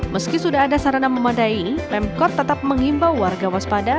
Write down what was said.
meski sudah ada sarana memadai pemkot tetap mengimbau warga waspada